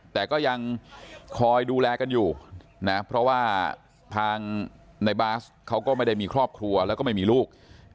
แต่ก็ยังคอยดูแลกันอยู่นะเพราะว่าทางในบาสเขาก็ไม่ได้มีครอบครัวแล้วก็ไม่มีลูก